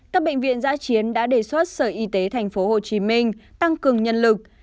các bệnh viện giã chiến đã đề xuất sở y tế tp hcm tăng cường nhân lực